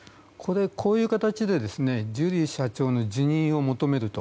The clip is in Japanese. こういう形でジュリー社長の辞任を求めると。